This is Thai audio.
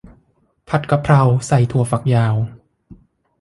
ผัดกะเพราใส่ถั่วฝักยาว